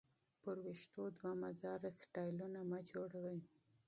پر وېښتو دوامداره سټایلونه مه جوړوئ.